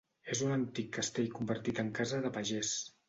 És un antic castell convertit en casa de pagès.